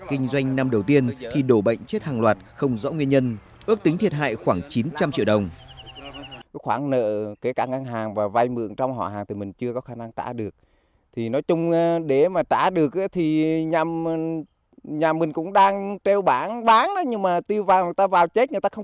kinh doanh năm đầu tiên thì đổ bệnh chết hàng loạt không rõ nguyên nhân ước tính thiệt hại khoảng chín trăm linh triệu đồng